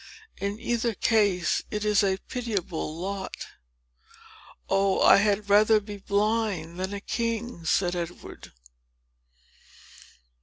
In either case it is a pitiable lot." "Oh, I had rather be blind than be a king!" said Edward.